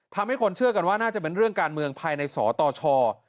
ทำให้คนเชื่อกันว่าน่าจะเป็นเรื่องการเมืองภายในสตช